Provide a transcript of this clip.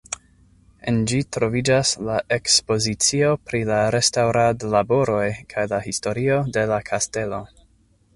En ĝi troviĝas ta ekspozicio pri la restaŭradlaboroj kaj la historio de la kastelo.